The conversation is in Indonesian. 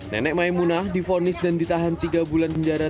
nenek maymunah difonis dan ditahan tiga bulan penjara